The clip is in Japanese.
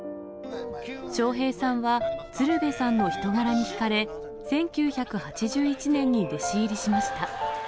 笑瓶さんは鶴瓶さんの人柄に引かれ、１９８１年に弟子入りしました。